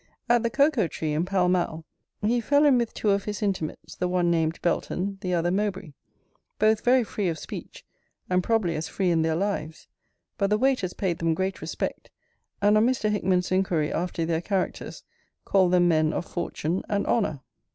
At the Cocoa tree, in Pall mall, he fell in with two of his intimates, the one named Belton, the other Mowbray; both very free of speech, and probably as free in their lives: but the waiters paid them great respect, and on Mr. Hickman's inquiry after their characters, called them men of fortune and honour.